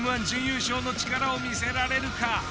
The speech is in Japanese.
Ｍ−１準優勝の力を見せられるか？